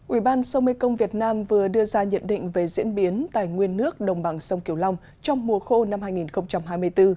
ủy ban sông mê công việt nam vừa đưa ra nhận định về diễn biến tài nguyên nước đồng bằng sông kiều long trong mùa khô năm hai nghìn hai mươi bốn